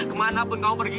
kemana pun kamu pergi